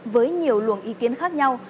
với nhiều luồng ý kiến khác nhau